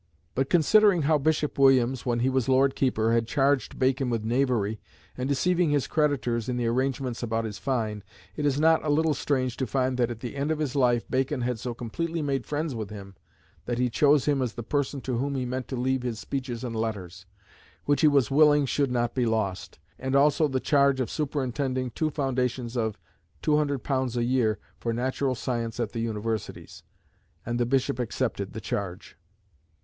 But considering how Bishop Williams, when he was Lord Keeper, had charged Bacon with "knavery" and "deceiving his creditors" in the arrangements about his fine, it is not a little strange to find that at the end of his life Bacon had so completely made friends with him that he chose him as the person to whom he meant to leave his speeches and letters, which he was "willing should not be lost," and also the charge of superintending two foundations of £200 a year for Natural Science at the universities. And the Bishop accepted the charge.